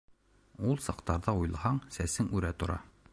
— Ул саҡтарҙы уйлаһаң, сәсең үрә тора.